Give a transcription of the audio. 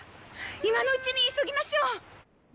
今のうちに急ぎましょう！